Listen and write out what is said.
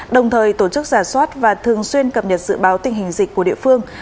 đồng thời tổ chức giả soát và thường xuyên cập nhật dự báo tình hình dịch của địa phương